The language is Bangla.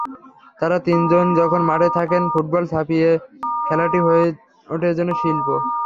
তাঁরা তিনজন যখন মাঠে থাকেন, ফুটবল ছাপিয়ে খেলাটি হয়ে ওঠে যেন শিল্প।